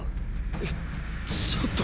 えちょっと。